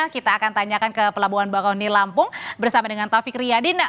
kita akan tanyakan ke pelabuhan bakaoni lampung bersama dengan taufik riyadina